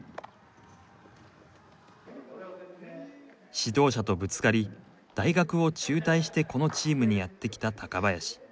指導者とぶつかり大学を中退してこのチームにやって来た高林。